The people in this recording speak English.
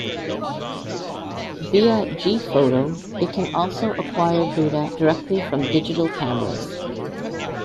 Via gPhoto it can also acquire data directly from digital cameras.